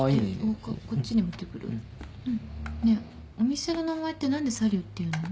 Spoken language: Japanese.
ねえお店の名前って何でサリューっていうの？